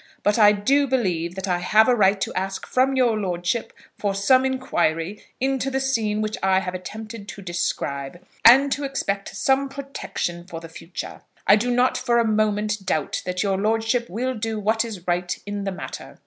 But I do believe that I have a right to ask from your lordship for some inquiry into the scene which I have attempted to describe, and to expect some protection for the future. I do not for a moment doubt that your lordship will do what is right in the matter.